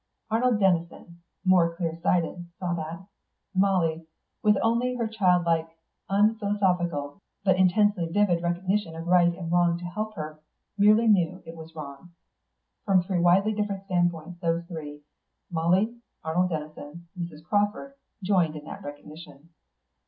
Arnold Denison, more clear sighted, saw that; Molly, with only her childlike, unphilosophical, but intensely vivid recognition of right and wrong to help her, merely knew it was wrong. From three widely different standpoints those three, Molly, Arnold Denison, Mrs. Crawford, joined in that recognition.